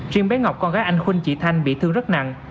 riêng bé ngọc con gái anh khuân chị thanh bị thương rất nặng